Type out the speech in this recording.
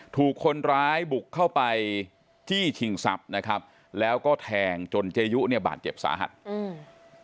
ถูกคนร้ายบุกเข้าไปจี้ชิงทรัพย์นะครับแล้วก็แทงจนเจยุเนี่ยบาดเจ็บสาหัสอืม